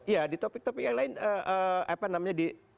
ya di topik topik yang lain apa namanya di